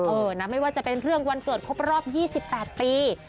เออนะไม่ว่าจะเป็นเรื่องวันเกิดครบรอบ๒๘ปี